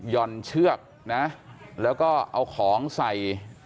่อนเชือกนะแล้วก็เอาของใส่